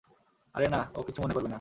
আরে না, ও কিছু মনে করবে না।